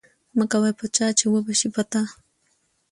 مه کوه په چا، چي وبه سي په تا